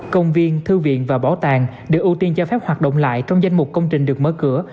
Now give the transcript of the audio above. công viên thư viện và bảo tàng đều ưu tiên cho phép hoạt động lại trong danh mục công trình được mở cửa